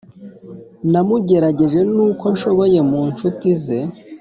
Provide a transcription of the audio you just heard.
Namugerageje n'uko nshoboye mu nshuti ze